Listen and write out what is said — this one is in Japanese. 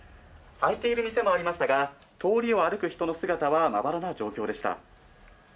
開いている店もありましたが、通りを歩く人の姿はまばらな状況でした。